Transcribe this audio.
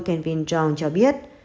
kelvin chong cho biết